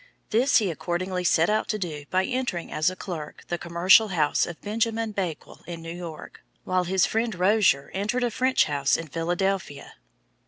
This he accordingly set out to do by entering as a clerk the commercial house of Benjamin Bakewell in New York, while his friend Rozier entered a French house in Philadelphia.